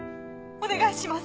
お願いします。